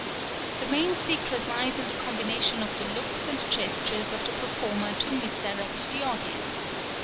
The main secret lies in the combination of the looks and gestures of the performer to misdirect the audience.